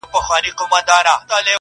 والله ه چي په تا پسي مي سترگي وځي~